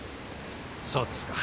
そうですか。